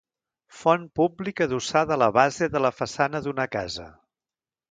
Font pública adossada a la base de la façana d'una casa.